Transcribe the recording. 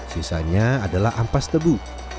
sisanya adalah ampas tebu